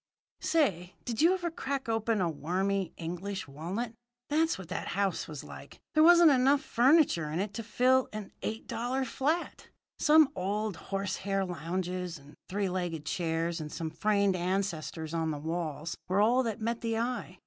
"Say, did you ever crack open a wormy English walnut? That's what that house was like. There wasn't enough furniture in it to fill an eight dollar flat. Some old horsehair lounges and three legged chairs and some framed ancestors on the walls were all that met the eye.